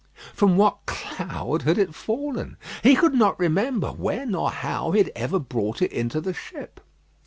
From what cloud had it fallen? He could not remember when or how he had ever brought it into the ship.